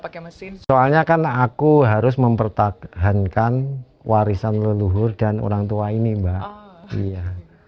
soalnya kan aku harus mempertahankan warisan leluhur dan orang tua ini mbak